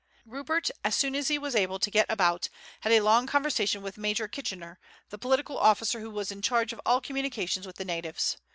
Rupert, as soon as he was able to get about, had a long conversation with Major Kitchener, the political officer who was in charge of all communications with the natives.